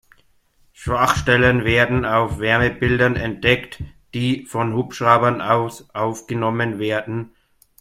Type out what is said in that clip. Schwachstellen werden auf Wärmebildern entdeckt, die von Hubschraubern aus aufgenommen werden.